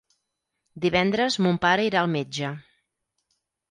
Divendres mon pare irà al metge.